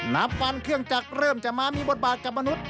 ฟันเครื่องจักรเริ่มจะมามีบทบาทกับมนุษย